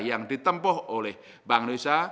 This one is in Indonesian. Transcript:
yang ditempuh oleh bank indonesia